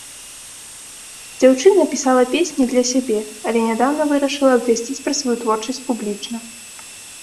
Дзяўчына пісала песні для сябе, але нядаўна вырашыла абвясціць пра сваю творчасць публічна.